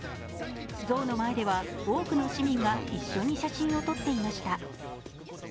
像の前では多くの市民が一緒に写真を撮っていました。